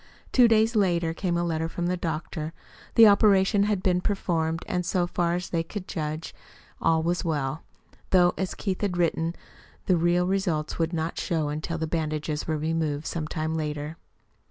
Two days later came a letter from the doctor. The operation had been performed and, so far as they could judge, all was well, though, as Keith had written, the real results would not show until the bandages were removed some time later.